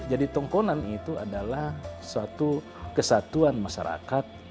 jadi tongkonan itu adalah suatu kesatuan masyarakat